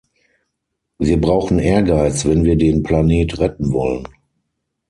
Wir brauchen Ehrgeiz, wenn wir den Planet retten wollen.